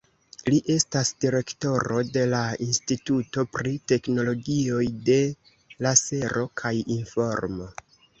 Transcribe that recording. Li estas direktoro de la Instituto pri Teknologioj de Lasero kaj Informo.